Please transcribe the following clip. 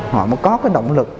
họ mới có cái động lực